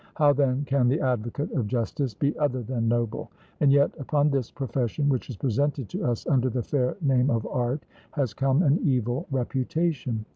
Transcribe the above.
How then can the advocate of justice be other than noble? And yet upon this profession which is presented to us under the fair name of art has come an evil reputation.